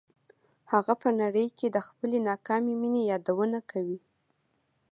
هغه په نړۍ کې د خپلې ناکامې مینې یادونه کوي